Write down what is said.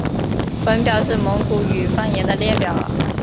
本表是蒙古语方言的列表。